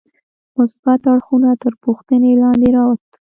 مثبت اړخونه تر پوښتنې لاندې راوستل.